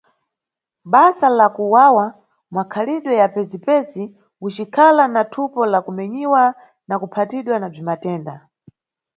Basa la kuwawa, makhalidwe ya pezipezi, ucikhala na thupo la kumenyiwa na kuphatiwa na bzwimatenda.